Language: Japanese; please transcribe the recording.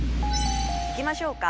いきましょうか。